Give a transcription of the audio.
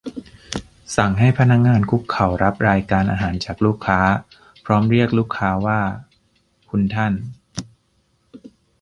สั่งให้พนักงานคุกเข่ารับรายการอาหารจากลูกค้าพร้อมเรียกลูกค้าว่า "คุณท่าน" ?